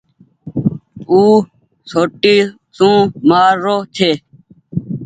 او سوٽي سون مآر رو ڇي۔